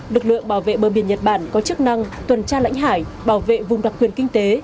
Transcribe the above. lực lượng bảo vệ bờ biển nhật bản có chức năng tuần tra lãnh hải bảo vệ vùng đặc quyền kinh tế